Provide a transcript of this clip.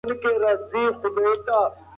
موږ بايد له تېرو پېښو عبرت واخلو.